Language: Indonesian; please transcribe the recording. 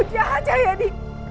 kamu jahat jayadi